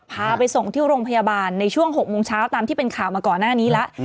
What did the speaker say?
พาไปส่งที่โรงพยาบาลในช่วง๖โมงเช้าตามที่เป็นข่าวมาก่อนหน้านี้แล้ว